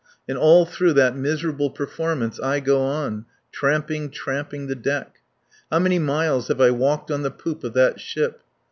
... and all through that miserable performance I go on, tramping, tramping the deck. How many miles have I walked on the poop of that ship!